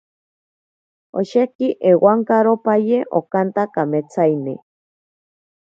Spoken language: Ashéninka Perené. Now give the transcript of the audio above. Osheki ewankaropaye okanta kametsaine.